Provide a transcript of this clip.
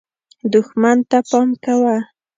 دښمن ته پام کوه .